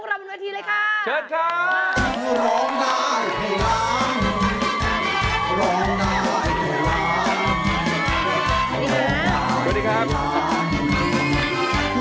สวัสดีครับ